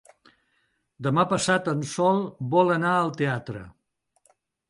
Demà passat en Sol vol anar al teatre.